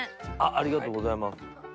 ありがとうございます。